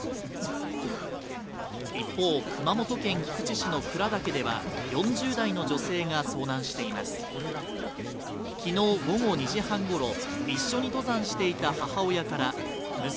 一方、熊本県菊池市の鞍岳では４０代の女性が遭難しています。